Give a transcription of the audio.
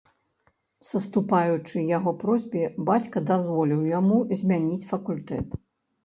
Саступаючы яго просьбе, бацька дазволіў яму змяніць факультэт.